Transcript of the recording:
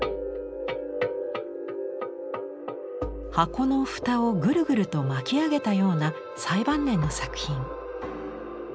箱の蓋をグルグルと巻き上げたような最晩年の作品。